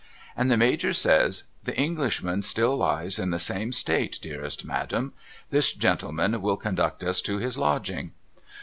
And the Major says ' The Englishman still lies in the same state dearest madam. This gentleman will con duct us to his lodging.'